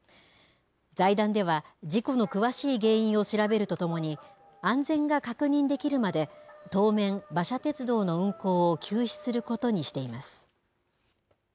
財団では、事故の詳しい原因を調べるとともに、安全が確認できるまで、当面、馬車鉄道の運行を休止することにしています。